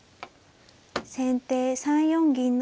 先手３四銀成。